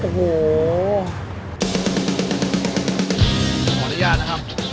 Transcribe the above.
ขออนุญาตนะครับ